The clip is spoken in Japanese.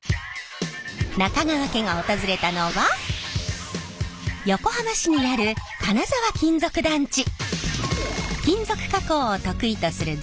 中川家が訪れたのは横浜市にある金沢金属団地。